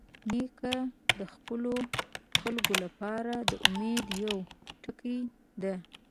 نیکه د خپلو خلکو لپاره د امید یوه ټکۍ ده.